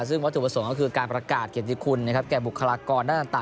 ซึ่งวัตถุประสงค์ก็คือการประกาศเกียรติคุณนะครับแก่บุคลากรด้านต่าง